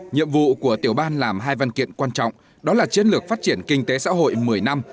nhiệm vụ của tiểu ban làm hai văn kiện quan trọng đó là chiến lược phát triển kinh tế xã hội một mươi năm